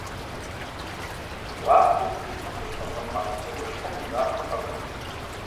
Гъуахъуэу бгыщхьэм къыщхьэщыхьа псэущхьэм и макъыр къэӏурт.